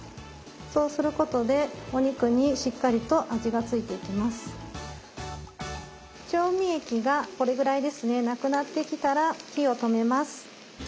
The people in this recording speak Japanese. そうすることで調味液がこれぐらいですねなくなってきたら火を止めます。